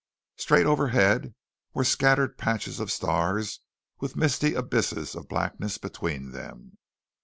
Straight overhead were scattered patches of stars with misty abysses of blackness between them.